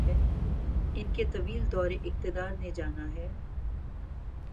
ان کے طویل دور اقتدار نے جانا ہے۔